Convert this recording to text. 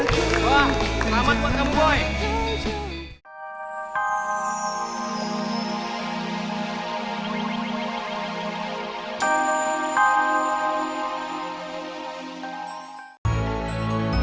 cinta mi darkest kami